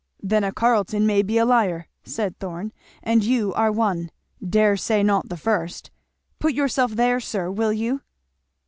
"Then a Carleton may be a liar," said Thorn, "and you are one dare say not the first. Put yourself there, sir, will you?"